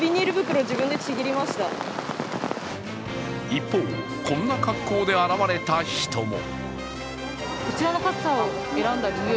一方、こんな格好で現れた人も。